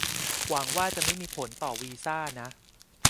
หวังว่าจะไม่มีผลต่อวีซ่านะ